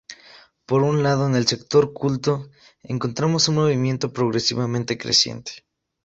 Por un lado, en el sector culto encontramos un movimiento progresivamente creciente.